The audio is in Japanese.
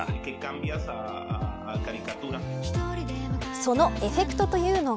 そのエフェクトというのが